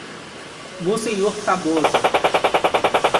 Monsenhor Tabosa